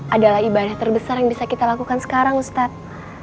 adalah ibadah terbesar yang bisa kita lakukan sekarang ustadz